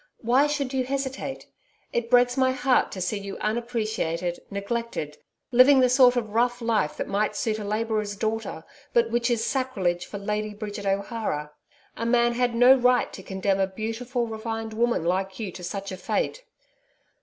Why should you hesitate? It breaks my heart to see you unappreciated, neglected, living the sort of rough life that might suit a labourer's daughter, but which is sacrilege for Lady Bridget O'Hara. A man had no right to condemn a beautiful, refined woman like you to such a fate....